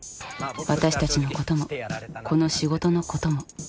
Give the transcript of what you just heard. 私たちのこともこの仕事のことも。